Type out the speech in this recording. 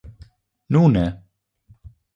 nune